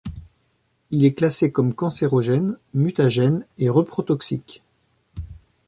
Il est classé comme cancérogène, mutagène et reprotoxique.